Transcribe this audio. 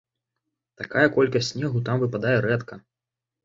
Такая колькасць снегу там выпадае рэдка.